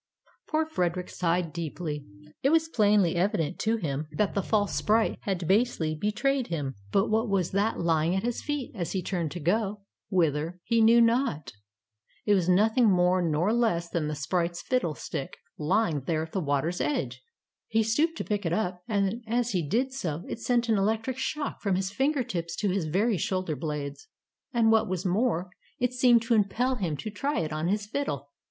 Poor Frederick sighed deeply. It was plainly evident to him that the false sprite had basely betrayed him. But what was that lying at his feet, as he turned to go — whither, he knew not ? It was nothing more nor less than the sprite's fiddle stick, lying there at the water's edge! He stooped to pick it up, and as he did so it sent an electric shock from his finger tips to his very shoulder blades. And what was more, it seemed to impel him to try it on his fiddle.